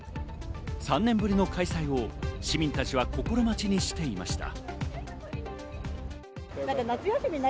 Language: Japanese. ３年ぶりの開催を市民たちは心待ちにしていました。